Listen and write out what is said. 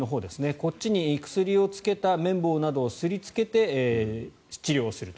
こっちに薬をつけた綿棒などをすりつけて治療すると。